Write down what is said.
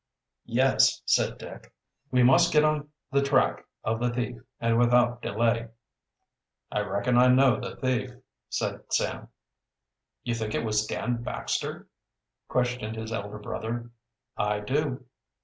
"Yes," said Dick. "We must get on the track of the thief, and without delay." "I reckon I know the thief," said Sam. "You think it was Dan Baxter?" questioned his elder brother. "I do."